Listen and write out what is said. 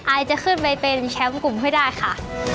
อายจะขึ้นไปเป็นแชมป์กลุ่มให้ได้ค่ะ